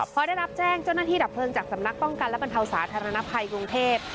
พอได้รับแจ้งเจ้าหน้าที่ดับเพลิงจากสำนักป้องกันและบรรเทาสาธารณภัยกรุงเทพ